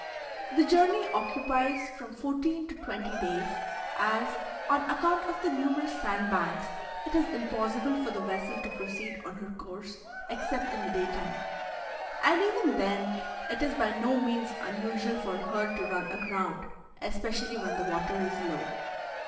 The journey occupies from fourteen to twenty days, as, on account of the numerous sand banks, it is impossible for the vessel to proceed on her course except in the day time, and even then it is by no means unusual for her to run aground, especially when the water is low.